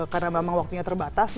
karena memang waktunya terbatas